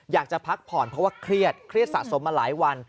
อยากจะพักผ่อนเพราะว่าเครียดเครียดสะสมมาหลายวัน